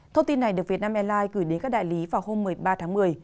thông tin này được vietnam airlines gửi đến các đại lý vào hôm một mươi ba tháng một mươi